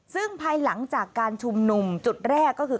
ซึ่งภายหลังจากการชุมนุมจุดแรกก็คือ